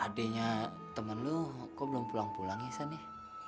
adeknya temen lo kok belum pulang pulang ya san ya